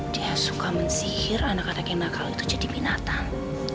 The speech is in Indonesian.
dia suka mensihir anak anak yang nakal itu jadi binatang